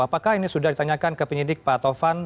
apakah ini sudah ditanyakan ke penyidik pak tovan